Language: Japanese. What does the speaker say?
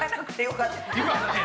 よかったね。